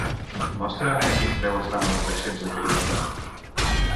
Mostra'm a quin preu estan les accions de Carioca.